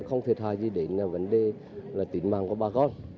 không thể thả gì đến vấn đề tình mạng của bà con